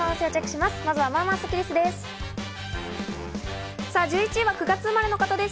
まずは、まあまあスッキりすです。